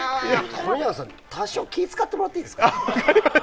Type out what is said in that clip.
冨永さん、多少、気を使ってもらっていいですか。